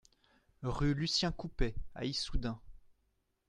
Rue Lucien Coupet à Issoudun